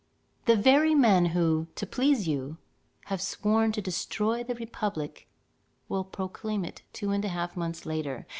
The very men who, to please you, have sworn to destroy the republic, will proclaim it two and a half months later.